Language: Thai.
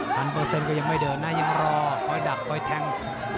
เปอร์เซ็นต์ก็ยังไม่เดินนะยังรอคอยดักคอยแทง